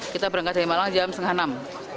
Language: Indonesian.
kita berangkat dari malang jam setengah enam